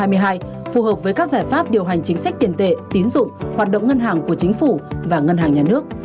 phù hợp với các giải pháp điều hành chính sách tiền tệ tín dụng hoạt động ngân hàng của chính phủ và ngân hàng nhà nước